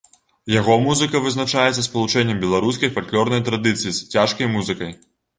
Яго музыка вызначаецца спалучэннем беларускай фальклорнай традыцыі з цяжкай музыкай.